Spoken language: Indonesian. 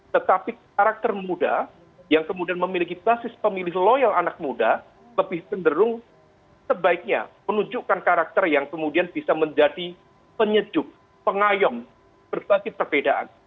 tetapi karakter muda yang kemudian memiliki basis pemilih loyal anak muda lebih cenderung sebaiknya menunjukkan karakter yang kemudian bisa menjadi penyejuk pengayom berbagai perbedaan